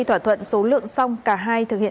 thỏa thuận số lượng xong cả hai thực hiện